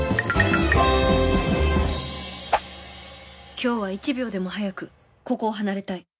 今日は１秒でも早くここを離れたい